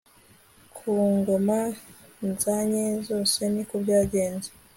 kungoma nzanye zose niko byagenze